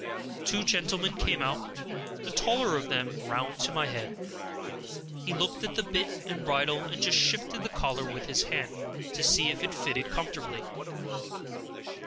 Two gentlemen came out; the taller of them came round to my head; he looked at the bit and bridle, and just shifted the collar with his hand, to see if it fitted comfortably.